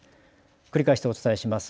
繰り返しお伝えします。